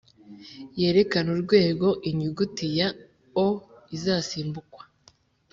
yerekana urwego Inyuguti ya O izasimbukwa